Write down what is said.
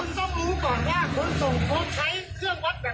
คุณต้องรู้ก่อนน่ะขนส่งครับควบคล้ายเครื่องวัดแบบไหน